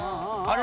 あ！